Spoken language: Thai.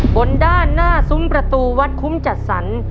บนด้านหน้าซุ้มประตูวัดคุ้มจัดสรร